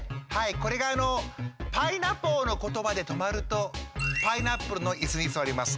これが「パイナッポー」のことばで止まるとパイナップルのイスにすわります。